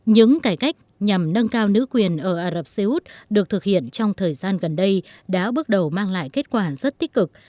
những cải cách nhằm nâng cao nữ quyền ở ả rập xê út được thực hiện trong thời gian gần đây đã bước đầu mang lại kết quả rất tích cực